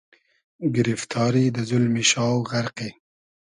گیریفتاری , دۂ زولمی شاو غئرقی